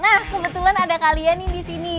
nah kebetulan ada kalian nih disini